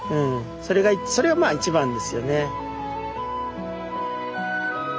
それがそれがまあ一番ですよね。